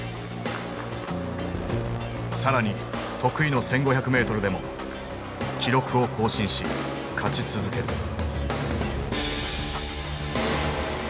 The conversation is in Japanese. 更に得意の１，５００ｍでも記録を更新し勝ち続ける。